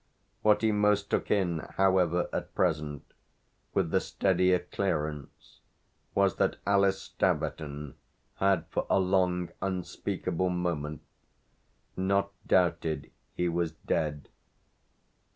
What he most took in, however, at present, with the steadier clearance, was that Alice Staverton had for a long unspeakable moment not doubted he was dead.